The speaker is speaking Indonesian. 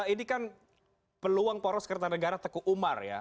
ini kan peluang poros kertanegara tekuk umar ya